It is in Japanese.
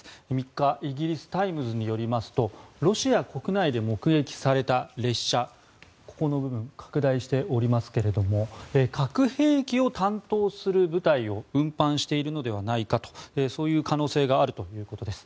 ３日、イギリスのタイムズによりますとロシア国内で目撃された列車ここの部分、拡大しておりますが核兵器を担当する部隊を運搬しているのではないかとそういう可能性があるということです。